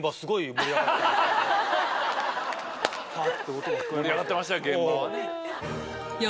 盛り上がってましたよ